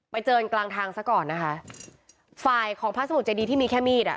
เจอกันกลางทางซะก่อนนะคะฝ่ายของพระสมุทรเจดีที่มีแค่มีดอ่ะ